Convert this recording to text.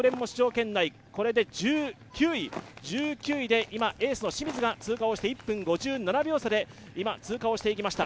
これで１９位で今、エースの清水が通過していって１分５７秒差で通過をしていきました。